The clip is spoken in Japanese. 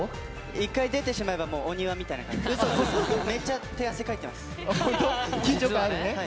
１回出てしまえばお庭みたいな感じです。